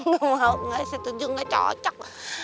gak mau gak setuju gak cocok